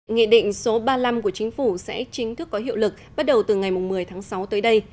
nghị định số ba mươi năm của chính phủ sẽ chính thức có hiệu lực bắt đầu từ ngày một mươi tháng sáu tới đây